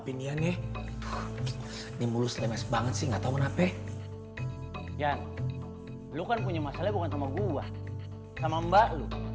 ini mulus lemes banget sih nggak tahu menape ya lu kan punya masalah bukan sama gua sama mbak lu